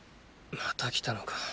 また来たのか？